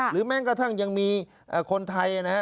หรือแม้กระทั่งยังมีคนไทย